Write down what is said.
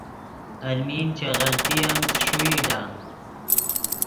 المی چے غلطی ام چے ݰوئی لا